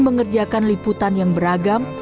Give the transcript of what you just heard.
dan melakukan liputan yang beragam